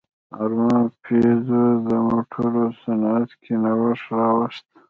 ارمان پيژو د موټرو صنعت کې نوښت راوست.